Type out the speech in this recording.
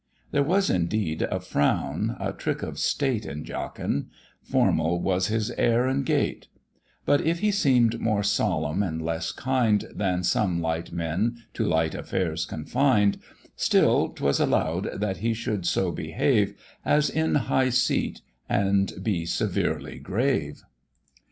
There was indeed a frown, a trick of state In Jachin; formal was his air and gait: But if he seem'd more solemn and less kind, Than some light men to light affairs confined, Still 'twas allow'd that he should so behave As in high seat, and be severely grave.